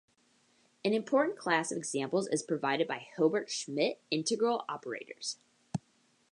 An important class of examples is provided by Hilbert-Schmidt integral operators.